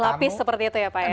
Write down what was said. lapis seperti itu ya pak ya